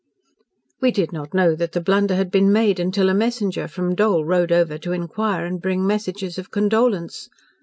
"We did not know that the blunder had been made until a messenger from Dole rode over to inquire and bring messages of condolence.